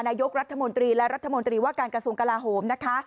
นายกรัฐมนตรีและรัฐมนตรีว่าการกระทรวงกลาโหมนะคะ